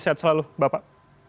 sehat selalu bapak